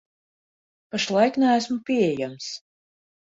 Pašlaik neesmu pieejams.